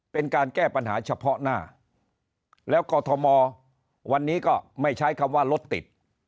เป็นการแก้ปัญหาเฉพาะหน้าแล้วกอทมวันนี้ก็ไม่ใช้คำว่ารถติด